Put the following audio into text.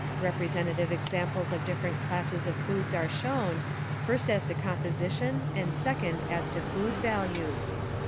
Representative examples of different classes of foods are shown, first as to composition and second as to food values.